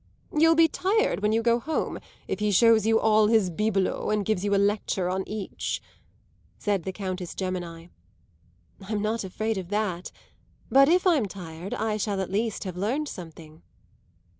"You'll be tired when you go home, if he shows you all his bibelots and gives you a lecture on each," said the Countess Gemini. "I'm not afraid of that; but if I'm tired I shall at least have learned something."